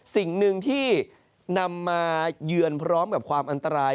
สิ่งหนึ่งที่นำมาเยือนพร้อมกับความอันตราย